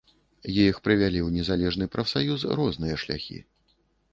Іх прывялі ў незалежны прафсаюз розныя шляхі.